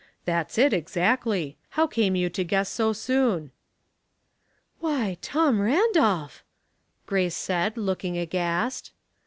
" That's it, exactly. How came you to guess BO soon? ""• Why, Tom Randolph !" Grace said, looking aghast.